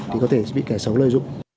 thì có thể bị kẻ xấu lợi dụng